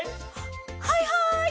はいはい！